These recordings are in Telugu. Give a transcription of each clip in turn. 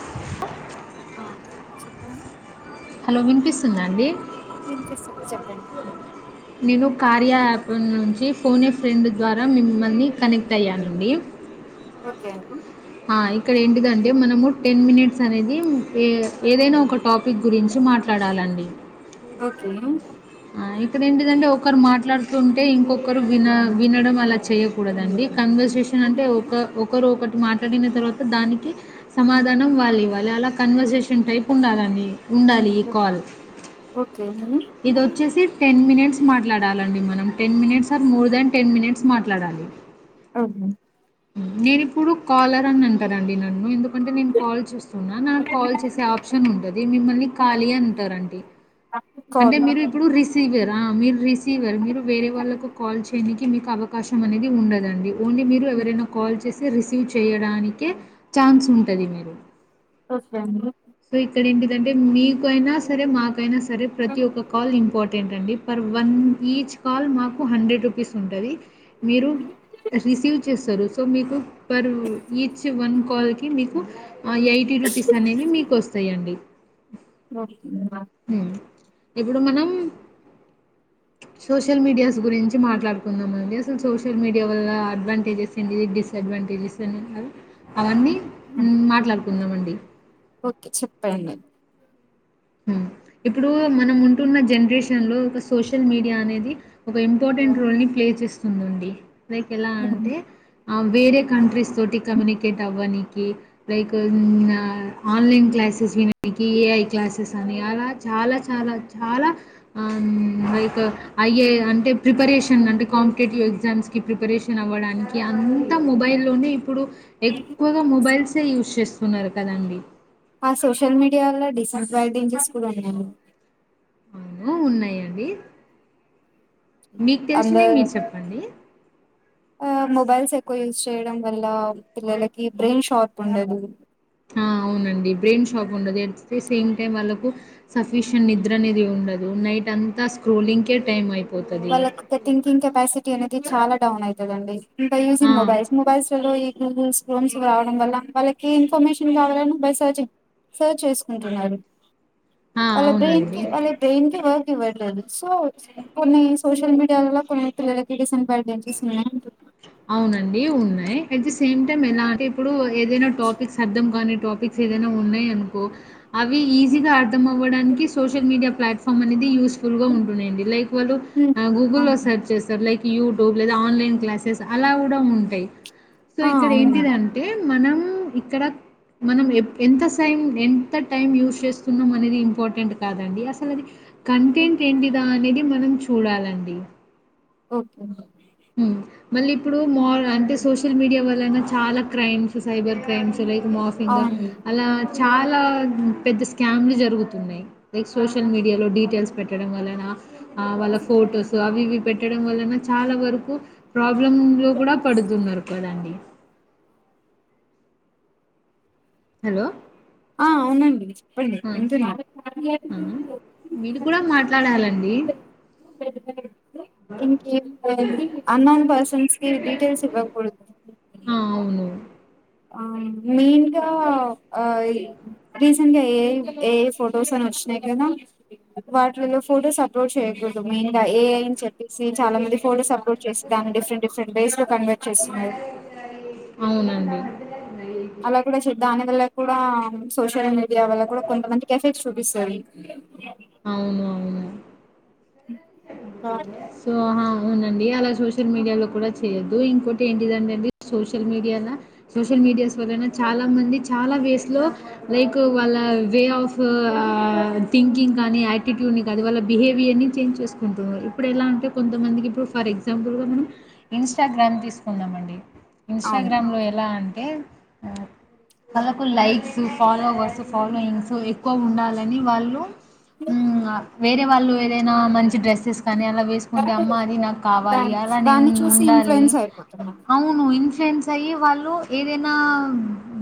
ఊ ఆ చికన్ స్తుంద అండి? నేను కార్య యాప్ నుంచి, ఫోనే ఫ్రెండ్ ద్వారా, మిమ్మల్ని కనెక్ట్ అయ్యానండి. ఓకే అండి ఆ ఇక్కడ ఏంటిది అంటె, మనము టెన్ మినిట్స్ అనేది ఏ ఏదైనా ఒక టాపిక్ గురించి మాట్లాడాలండి. ఓకే. ఆ ఇక్కడ ఏంటిది అంటె ఒకరు మాట్లాడుతుంటే, ఇంకొకరు విన వినడం అలా చేయ్యకూడదండి. కన్వర్సేషన్ అంటే, ఒక ఒకరు ఒకట్ మాట్లాడిన తర్వాత, దానికి సమాధానం వాళ్ళు ఇవ్వాలి, అలా కన్వర్సేషన్ టైప్ ఉండాలండి. ఉండాలి ఈ కాల్. ఓకే ఇదోచ్చేసి టెన్ మినిట్స్ మాట్లాడాలండి మనం. Ten minutes, or more than ten minutes మాట్లాడాలి. అహ నేను ఇప్పుడు కాలర్ అని అంటరండి నన్ను, ఎందుకంటే నేను కాల్ చేస్ కున్న నాక్ కాల్ చేసే ఆప్షన్ ఉంటది, మిమ్మల్ని కాళీ అంటరండి అంటే, కాల్ మీరు ఓకే ఇప్పుడు రిసీవర్. మీరు రిసీవర్, మీరు వేరే కాదు. వాళ్ళకు కాల్ చేయనికి, మీకు అవకాశం అనేది ఉండదండి. ఓన్లీ మీరు హ్మ్. ఎవరైనా కాల్ చేసి రిసీవ్ చేయడానికే ఛాన్స్ ఉంటది మీరు ఒకె అండి అంటే మీకైనా సరే మాకైనా స రె ప్రతి ఒక్క కాల్ ఇంపార్ ఏంటండి పర్ వన్ ఈచ్ కాల్ మాకు హండ్రెడ్ రుపీస్ ఉంటది. మీరు రిసీవ్ చేస్తారు సో మీకు పర్ ఈచ్ వన్ కాల్కి మీకు ఎయిటీ రూపీస్ అనేవి మీకు వస్తయండి. [unintelligible] ఇప్పుడు మనం సోషల్ మీడియాస్ గురించి మాట్లాడుకుందాం అండి. అసలు సోషల్ మీడియా వల్ల అడ్వాంటేజెస్ తిండియే డిస్ అడ్వాంటేజెస్ అన్ని అవి అవన్ని ఉం మాట్లాడుకుందాంమన్ ఒ ఓకె చెప్పండి. ఇప్పుడు మనం ఉంటున్న జనరేషన్ లో ఒక సోషల్ మీడియా అనేది ఒక ఇంపార్టెంట్ రోల్ ని ప్లే చేస్తుందండి. లైక్ ఎలా హ్మ్. అంటె వేరే కంట్రీస్ తోటి కమ్యూనికేట్ అవ్వనీకి లైక్ ఉం ఆ ఆన్లైన్ క్లాసెస్ విననీకి ఏఐ క్లాస్ స్ అని అలా చాలా చాలా చాలా ఉం లైక్ ఐఏ అంటే ప్రిపరేషన్ అంటే కాంపిటేటివ్ ఎగ్జామ్స్కి ప్రిపరేషన్ అవ్వడానికి అంతా మొబైల్లోనే ఇప్పుడు. ఎక్కువగా మొబైల్స్ ఎ యూస్ చేస్ తున్నారు కదండి. ఆ సోషల్ మీడియా వల్ల డిసడ్వాంటేజెస్ కూడా ఉన్నాయి. అవునా ఉన్నాయ అండి అ మొబైల్స్ ఎక్ కువ యూస్ చేయడం వల్ల పిల్లలకి బ్రెయిన్ షార్ప్ ఉండదు. ఆ అవునండి. బ్రెయిన్ షార్ప్ ఉండదు ఎట్ ద సేమ్ టైం వాళ్ళకు సఫిషియంట్ నిద్ర అనేదె ఉండదు. నైట్ అంతా స్క్రోలింగ్కే టైం అయి వాళ్ళక్ ఒక థింకింగ్ కెపాసిటీ అనేది చాలా డౌన్ అయితదండి. ఈట ఆ యేసిన్ మోబైల్స్ మోబైల్స్ లలో ఇ గూగుల్స్ క్రోమ్స్ రావడం వల్ల వాళ్ళకి ఇన్ఫర్మేషన్ కావాలని బై సర్చింగ్ సర్చ్ చేసుకుంటున్నారు. ఆ అలా బ్రెన్కి అవునండి వాళ్ళ బ్రెయిన్కి వ ఇవ్వట్లేదు సో చ్చ కొన్ని సోషల్ మీడియా వల్ల కొన్ని పిల్లలకి డిసడ్వాంటేజెస్ ఉన్నాయి అంటు అవునండి ఉన్నాయి. అట్ ది సేమ్ టైమ్ ఎలా అంటే, ఇప్పుడు ఏదైనా టాపిక్స్ అర్థం కాని టాపిక్స్ ఏదైనా ఉన్నాయి అనుకో, అవి ఈజీగా అర్థం అవ్వడానికి సోషల్ మీడియా ప్లాట్ఫామ్ అనేది యూస్ ఫుల్ గా ఉంటున్నాయండి. లైక్ వాళ్ళు ఉమ్, గూగుల్లో అవును. సర్చ్ చేస్తారు లైక్ యుట్యూబ్ లేదా ఆన్లైన్ క్లాస్ సెస్ అలా కూడా ఉంటాయి. సో ఆ ఇక్కడ అవునండి ఏంటిదంటే మనం ఇక్కడ మనం ఎంత సైం ఎంత టైం యూస్ చేస్తున్నాం అనేది ఇంపార్టెంట్ కాదండి అసలు అది కంటెంట్ ఏంటిదా అనేది మనం చూ చూడాలండి ఓకే హ్మ్ మళ్ళీ ఇప్పుడు మ అంటే సోషల్ మీడియా వల్లన చాలా crimes cyber crimes like morphing అవును అలా చాలా పెద్ద స్కామ్లు జరుగుతున్నాయి లైక్ సోషల్ మీడియాలో డీటెయిల్స్ పెట్టడం వలన ఆ వాళ్ళ ఫోటోస్ అవి ఇవి పెట్టడం వలన చాలా వర కు ప్రాబ్లమ్ లో కూడా పడుతున్నారు కదండి హలో ఆ అవునండి చెప్పండి ఆ! వింటున్నా ఆ! మీరు కూడా మాట్లాడాలండి. [unintelligible] ఇంకేం లేదు అన్నోన్ పర్సన్స్ కి డీటెల్స్ ఇవ్వకూడదు ఆ! అవును. ఆ మీన్ [unintelligible] ఆ ఏ ఏ ఏ ఫొటోస్ అని వచ్చినాయి కదా వాట్లలో ఫొటోస్ అప్లోడ్ చేయకూడదు మెయిన్ గా ఏ ఐ అని చెప్పేసి చాలా మంది ఫొటోస్ అప్లోడ్ చేసి దాన్ని డిఫరెంట్ డిఫరెంట్ బేస్ లో కన్వర్ట్ చేస్తున్నారు అవునండి. అలా కూడా శద్ధాన్య దలా కూడా హ్మ్ సో సోషల్ మీడియా వల్ల కూడా కొంతమంది కి ఎఫెక్ట్ చూపిస్తది అ అవును అవును హ సోహా అవునండి అలా సోషల్ మీడియాలో కూడా చేయొద్దు ఇంకోటి ఏంటిదింటే అండి సోషల్ మీడియా సోషల్ మీడియాస్ వలన చాలా మంది చాలా వేస్లో లైక్ వాళ్ళ వే ఆఫ్ థింకింగ్ కానీ యాటిట్యూడ్ని కానీ వాళ్ళ బిహేవియర్ని చేంజ్ చేస్ కుంట్టున్నరు ఇప్పుడు ఎలా అంటే కొంతమందికి ఇప్పుడు ఫర్ ఎగ్జాంపుల్గా మనం ఇన్స్టాగ్రామ్ తీసుకుందామండి అవును ఇన్స్టాగ్రామ్ లో ఎలా అ వాళ్ళకు లైక్స్ ఫాలోవర్స్ ఫాలోయింగ్స్ ఎక్కువ ఉండాలని వాళ్ళు హ్మ్ వేరే వాళ్ళు ఏదైనా మంచి డ్ర కాని అలా వేసుకుంటే, అమ్మా అని దా నాకావాలి, అలానేను దాన్ని చూసి ఉండాలి. ఇన్ఫ్లుయెన్స్ అయిపోతున్నారు అవును ఇన్ఫ్లుయెన్స్ అయి వాళ్ళు ఏదైనా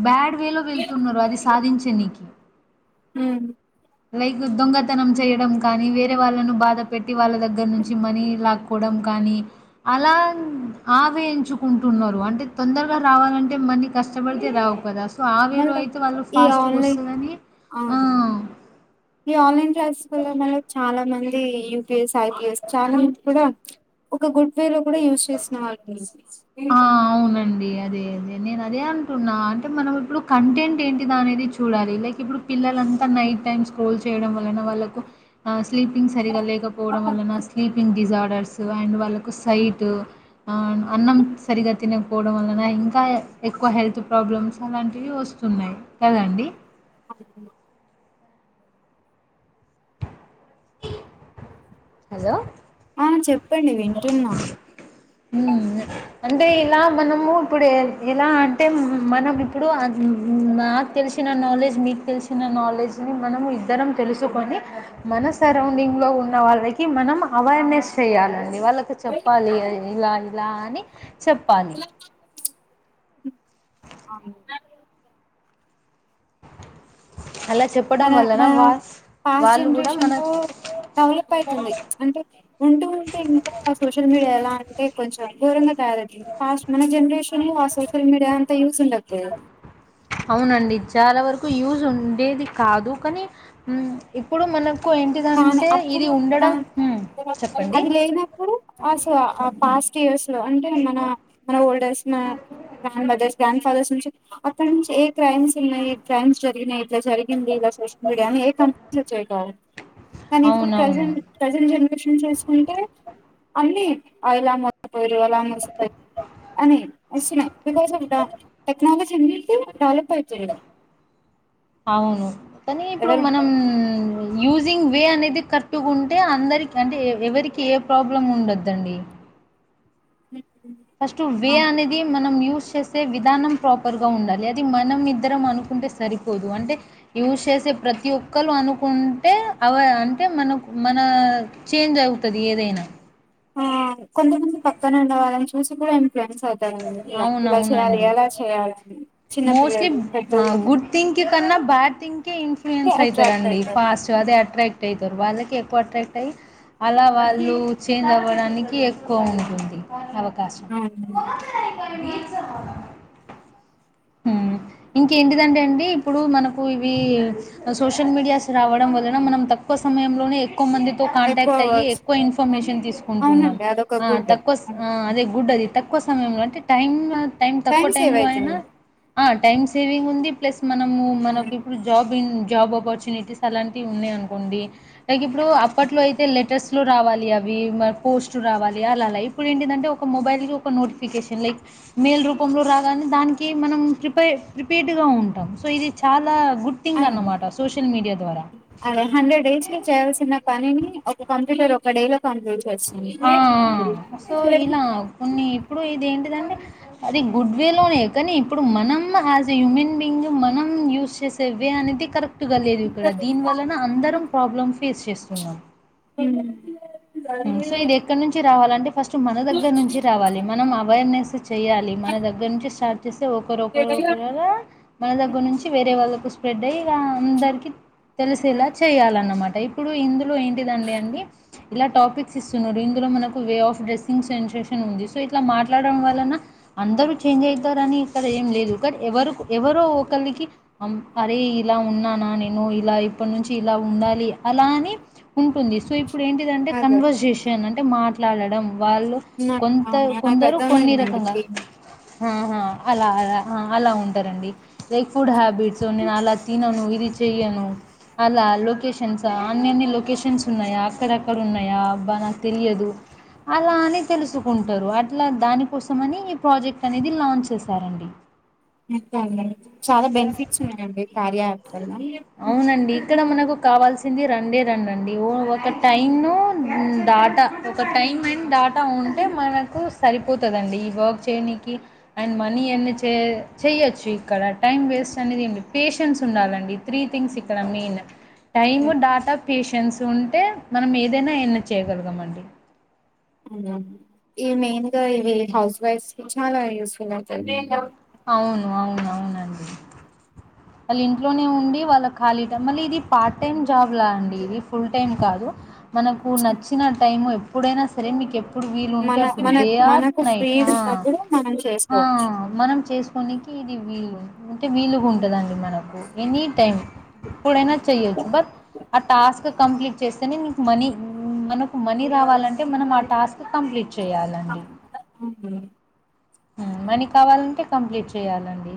బ్యాడ్ రేల్లో వెళ్తున్నారు అది సాధించనీకీ లైగ్ దొంగతనం చేయడం కానీ, వేరే వాళ్ళను బాధ పెట్ ట్టి వాళ్ళ దగ్గర్నుంచి మనీ లాక్కు పోడం కానీ అలాన్ ఆవేంచుకుంటున్నారు. అంటే తొందర్రా రావాలంటే మనీ కష్టబడితే రావ్, కదా అస్ మళ్ళమ్ ఈ ఆన్లైన్ అవునండి. ఆ, ఈ ఆన్లైన్ క్లాస్ పొల్లమ్ మల్లో చాలా మంది ఈ యూ పి ఎస్ టైం లేస్ట్ చాలా [unintelligible] కూడా ప్చ్ ఒక గుడ్ వే లోమ్ కూడా యూజ్ చేసిన వాళ్ళని ఏం ఆ చేయలేం అవునండి. అదే అది నేను అదే అంటున్నా, అంటే మనం ఇప్పుడు కంటెంట్ ఏంటి దా అనేది చూడాలి. లైక్ ఇప్పుడు పిల్లలంతా నైట్ టైం స్క్రోల్ చేయడం. వలన అయిన వాళ్ళకు ఆ స్లీపింగ్ సరిగా లేకపోవడం, వల్లన స్లీపింగ్ డిజార్డర్స్ అండ్ వాళ్ళకు సై టు ఆ అన్ అన్నం సరిగ్గా తినకపోవడం, వలన ఇంకా ఎ ఎక్కువ హెల్త్ ప్రాబ్లమ్స్ అలాంటివి వస్తున్నాయి కదండి. అవును హలో ఆ చెప్పండి వింటున్నా హ్మ్ ఇంగ అంటే ఇలా మనము ఇప్పుడు ఎ ఎలా అంటే మ్మ్మ్మ్ ఇప్పుడు అం హ్మ్మ్ మాక్ తెలిసిన నా నాలెడ్జ్ మీకు తెలిసిన నాలెడ్జ్ని మనం ఇద్దరం తెలుసుకొని, మన సరౌండింగ్ లో ఉన్న వాళ్ళకి మనం అవేర్నెస్ చేయాలన్ అనేది వాళ్ళకి చెప్పాలి అ ఇల్ ఇలా అని చెప్పాలి హ్మ్ అవును ఇంకానేమ్ అలా చెప్పడం మన వలన మనం వా పాస్ట్ వాళ్ళు కూడా జనరేషన్ మన తో డెవలప్ అయితుంది. ప్చ్ అంటే ఉంటూ ఉంటే ఇంకా సోషల్ మీడియా ఎలా అంటే కొంచెం ఘోరంగా తయారయితుంది. ఫాస్ట్ మన జనరేషన్ లో ఆ సోషల్ మీడియా అంతా యూస్ ఉండకపోయెదు అవునండి. చాలా వరకు యూజ్ ఉండేది. కాదు కానీ హ్మ్ ఇప్పుడు మన తాన్నె అప్పుడు తాన్ ఉమ్, చెప్పండి అది లేనప్పుడు, అసల ఆ పాస్ట్ ఇయర్స్ లో అంటే మన మన ఓల్డేజ్ మా గ్రాండ్ మదర్స్, గ్రాండ్ ఫాదర్స్ నుంచు అక్కడ నుంచి ఏ క్రైమ్స్ ఉన్నాయి. క్రైమ్స్ జరిగినయి ఇలా జరిగింది. ఇలా సోషల్ మీడియా అని ఏ కంపెనీస్ ఇట్లాచ్చేవి. కావు కానీ ఇప్పుడు ప్రజెం అవునవును ప్రజెన్ ఏ ఇండేషన్ జేస్కుంటే అన్ని ఆ ఇలా మొత్ టెక్నోలియెలన్ తీస్ అనీ ఇట్స్ మీ విలేజీవి అంట టెక్నాలజీ ఎందీకీ అవును కానీ ఇప్పుడు మనం ఎవరు మ్యూజింగ్ వే అనేది కర్టుగుంటే, ఆ అందరికి అంటే ఎ ఎవరికి ఏ ప్రాబ్లం ఉండద్దండి. ఫస్ట్ వే అనేది మనం యూస్ చేసే విధానం ప్రాపర్ గా ఉండాలి అది మనం ఇద్దరం అనుకుంటే సరిపోదు అంటే యూస్ చేసే ప్రతి ఒక్కరు అనుకుంటే అవ అంటే మన మన చేంజ్ అవుతది ఏదైనా ఆ కొంతమంది పక్కనున్న వాళ్ళని చూసుకోలేం ఫ్రెండ్స్ అతన్ని ఇలా ఇలా చేయాలి అవునవునండి. ఎలా చేయాలని చిన్న మోస్ట్లీ పిల్లలు పెద్దోళ్ళు గుడ్ థింక్ కన్నా బ్యాటింగ్ కి ఇన్ఫ్లుయెన్స్ అట్రాక్ట్ అయితరండి అవుతారు ఫాస్ట్ అదే అట్రాక్ట్ అయి వాళ్ళకి ఎక్కువ అట్రాక్ట్ అయ్యి అలా వాళ్ళు చేంజ్ అవ్వడానికి ఎక్కువ ఉంటుంది అవ కాశం ఉమ్ ఇంకేంటిదంటే అండి ఇప్పుడు మనకు ఇవి సోషల్ మీడియాస్ రావడం వలన మనం తక్కువ సమయంలోనే ఎక్ క్కువ మందితో ఎక్కువ కాంటాక్ట్ అయి వర్క్స్ ఎక్కువ ఇన్ఫర్మేషన్ తీసుకుంటున్నాం అవునండి అదొక ఆ గుడ్ తక్కువ ఆ అదే గుడ్ అది తక్కువ సమయంలో అంటే టైం టైం తక్కువ సేవ్ టైంలో ఐనా అయితుంది ఆ టైమ్ సేవింగ్ ఉంది ప్లస్ మనము మనకి ఇప్పుడు జాబ్ జాబ్ ఆపర్చునిటీస్ అలాంటివి ఉన్నాయి అనుకోండి లైక్ ఇప్పుడు అప్పట్లో అయితే లెటర్స్ లో రావాలి అవి పోస్ట్ రావాలి అలాలా ఇప్పుడు ఏంటింటే ఒక మొబైల్కి ఒక నోటిఫికేషన్ లైక్ మెయిల్ రూపంలో రాగానే దానికి మనం ప్రిప ప్రిపేర్డ్ గా ఉంటాం సో ఇది చాలా గుడ్ థింగ్ అండి అన్నమాట సోషల్ మీడియా ద్వారా అదే హండ్రెడ్ డేస్ కి చేయాల్సిన పనిని ఒక కంప్యూటర్ ఒక ఒక డే లో కంప్లిట్ ఆ సో ఇలా కొన్ని ఇప్పుడు ఇదెంటిదం టె అది గుడ్ వే లోనే కానీ ఇప్పుడు మనం యాజ్ ఎ హ్యూమన్ బీయింగ్ మనం యూజ్ చేసే వే అనేది కరెక్ట్ కరెక్టు గా లేదు ఇక్కడ దీని వలన అందరం ప్రాబ్లమ్స్ ఫేస్ చేస్తున్నాం ఉమ్ సో ఇది ఎక్కడ నుంచి రావాలంటే ఫస్ట్ మన దగ్గర నుంచి రావాలి మనం అవేర్నెస్ చెయాలి మన దగ్గర నుంచి స్టార్ట్ చేస్తే ఒకరు ఒకరు ఒకరు అలా మన దగ్గర నుంచి వేరే వాళ్ళ స్ప్రెడ్ అయ్యి ఇక అందరికి తెలిసేలా చేయాలన్నమాట ఇప్పుడు ఇందులో ఏంటిదండి అండి ఇలా టాపిక్స్ ఇస్తున్నాడు ఇందులో మనకు వే ఆఫ్ డ్రెస్సింగ్ సెన్సేషన్ ఉంది సో ఇట్లా మాట్లాడడం వలన అందరూ చేంజ్ అయితారుని ఇక్కడ ఏం లేదు బట్ ఎవరు ఎవరో ఒకరికి అరే ఇలా ఉన్నానా నేను ఇలా ఇప్పటి నుంచి ఇలా ఉండాలి అలా అని ఉంటుంది సో ఇప్పుడు ఏంటి అదే కన్వర్సేషన్ అం టె మాట్లాడడం వాళ్ళు నా- కొంత ఆ, నాకు కొందరు కొన్ని రకంగా అర్థమైందండి ఆహా అలా అలా ఆ అలా ఉంటారండి లైక్ ఫుడ్ హ్యాబిట్స్ నేను అలా తినను ఇది చెయ్యను అలా లోకేషన్స అన్నన్ని లోకేషన్స్ ఉన్నాయా అక్కడ అక్కడ ఉన్నయా అబ్బా నాకు తెలియదు అలా అని తెలుసుకుంటరు అట్లా దానికోసం అని ఈ ప్రాజెక్ట్ అనేది లాంచ్ చేసారండి ఇత్తనై చాలా బెనిఫిట్స్ ఉన్నాయండి కార్యా యాప్ వల్ల అవునండి. అవునండి ఇక్కడ మనకు కావాల్సింది రెండే రెండండి ఓ ఒక టైమ్ డాటా ఒక టైమ్ అండ్ డాటా ఉంటే మనకు సరిపోతదండి ఈ వర్క్ చేయనికి అండ్ మనీ ఎర్న్ చే చేయచ్చు. ఇక్కడ టైం వేస్ట్ అనేది ఏం లేదు పేషెన్స్ ఉండాలండి త్రీథింగ్స్ ఇక్కడ main time data patience ఉంటే మనం ఏదైనా ఎర్న్ చేయగలగమండి ఇ మెయిన్ గా ఇవి హౌస్ వైఫ్ కి చాలా యూస్ఫుల్ అవుతది అవును అవును అవునండి వాళ్ళు ఇంట్లోనే ఉండి వాళ్ళ ఖాళీ టైం మళ్ళ ఇది పార్ట్ టైమ్ జాబ్ లా అండి ఇది ఫుల్ టైమ్ కాదు మనకు నచ్చిన టైం ఎప్ ఎప్పుడైనా సరే మీకె ప్ ఎప్పుడు వీలు ఉంటే మన అప్పుడు మన డే ఆర్ మనకు ఫ్రీ నైట్ ఆ ఉన్నప్పుడు మనం హా చేసుకోవచ్చు మనం కొనికి ఇది వీలు అంటే విలుగుంటదండీ మనకు ఎనీ టైమ్ ఎప్పుడైనా చేయొచ్చు బట్ ఆ టాస్క్ కంప్లీట్ చేస్తేనే మీకు మనీ మనకు మనీ రావాలంటే మనం ఆ టాస్క్ కంప్లీట్ చేయాలండి ఉమ్ మనీ కావాలంటే కంప్లీట్ చేయాలండి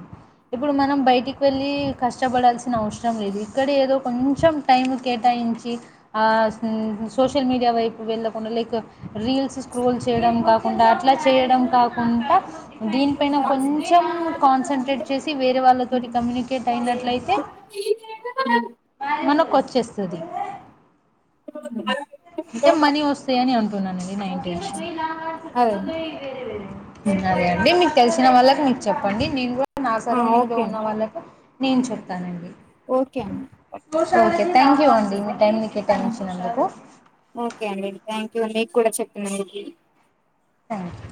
ఇప్పుడు మనం బయటికి వెళ్ళి కష్టపడాల్సిన అవసరం లేదు ఇక్కడే ఏదో కొంచెం టైం కేటాయించి ఆ సీన్ సోషల్ మీడియా వైపు వెళ్ళకుండా లైక్ రీల్స్ స్క్రోల్ చేయడం కాక్ కుండా అట్లా చేయడం కాకుంట దీనిపైన కొంచం కాన్సన్ట్రేట్ చేసి వేరే వాళ్ళతోటి హ్మ్. కమ్యూనికేట్ అయినట్లయితే మనక్ చేస్తది [unintelligible] అంటే మనీ వస్తాయి అని అను కొన్నానండి నైటీలు అదే ఇదేనా వేరు ఇంగ అదే అండి మీకు తెలిసిన వాళ్ళకి మీరు చెప్పండి నేను కూడా నా ఆ! సరౌండింగ్ లో ఓకే ఉన్న అండి వాళ్ళకు నేన్ చెప్తానండి ఓకే అండి థ్యాంక్యూ అండి. టైమ్ని ఆ! కేటాయించినందుకు. ఓకే అండి. థ్యాంక్ యూ మీక్ కూడా చెప్పినందుకు. థ్యాంక్యూ.